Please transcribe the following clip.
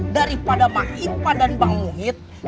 daripada mahipa dan pak muhyiddin